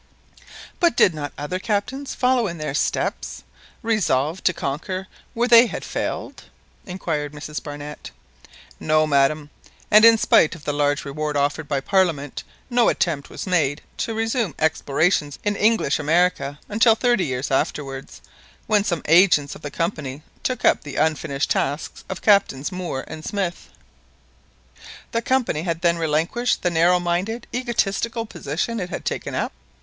"But did not other captains follow in their steps, resolved to conquer where they had failed?" inquired Mrs Barnett. "No, madam; and in spite of the large reward offered by Parliament, no attempt was made to resume explorations in English America until thirty years afterwards, when some agents of the Company took up the unfinished task of Captains Moor and Smith." "The Company had then relinquished the narrow minded egotistical position it had taken up?"